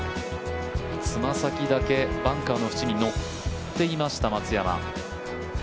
爪先だけバンカーの縁にのっていました松山。